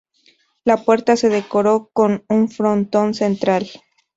La puerta se decoró con un frontón central.